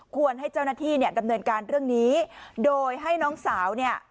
ควรให้เจ้าหน้าที่ดำเนินการเรื่องนี้โดยให้น้องสาว